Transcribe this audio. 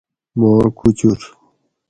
ماں کوچور